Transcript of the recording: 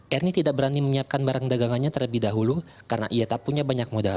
ernie tidak berani menyiapkan barang dagangannya terlebih dahulu karena ia tak punya banyak modal